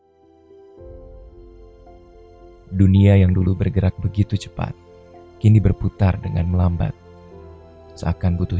hai dunia yang dulu bergerak begitu cepat kini berputar dengan melambat seakan butuh